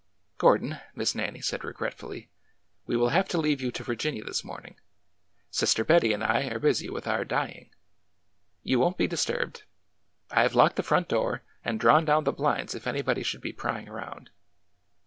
Gordon," Miss Nannie said regretfully, '' we will have to leave you to Virginia this morning. Sister Bet tie and I are busy with our dyeing. You won't be dis turbed. I have locked the front door, and drawn down the blinds if anybody should be prying around.